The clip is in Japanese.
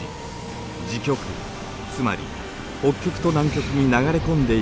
つまり北極と南極に流れ込んでいくのです。